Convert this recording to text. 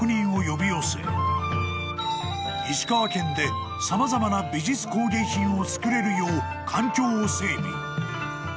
［石川県で様々な美術工芸品を作れるよう環境を整備］